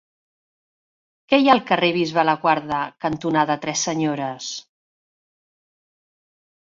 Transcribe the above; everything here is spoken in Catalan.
Què hi ha al carrer Bisbe Laguarda cantonada Tres Senyores?